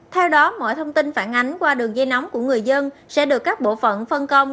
theo đó mọi thông tin phản ánh qua đường dây nóng của người dân sẽ được các bộ phận phân công